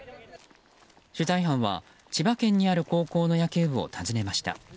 取材班は千葉県にある高校の野球部を訪ねました。